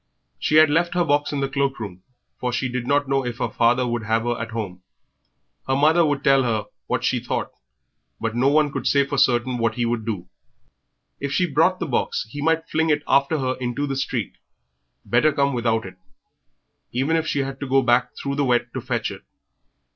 She had left her box in the cloak room, for she did not know if her father would have her at home. Her mother would tell her what she thought, but no one could say for certain what he would do. If she brought the box he might fling it after her into the street; better come without it, even if she had to go back through the wet to fetch it.